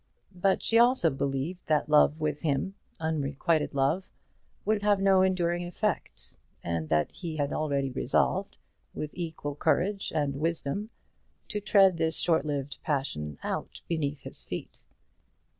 But she also believed that love with him, unrequited love, would have no enduring effect, and that he had already resolved, with equal courage and wisdom, to tread this short lived passion out beneath his feet.